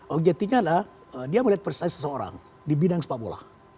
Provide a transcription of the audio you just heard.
objektifnya adalah dia melihat persis seseorang di bidang sepak bola